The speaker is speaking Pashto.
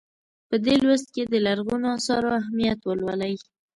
په دې لوست کې د لرغونو اثارو اهمیت ولولئ.